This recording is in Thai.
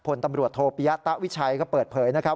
พลตำรวจโทปิยะตะวิชัยก็เปิดเผยนะครับ